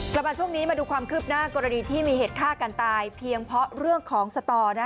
กลับมาช่วงนี้มาดูความคืบหน้ากรณีที่มีเหตุฆ่ากันตายเพียงเพราะเรื่องของสตอ